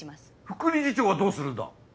副理事長はどうするんだ？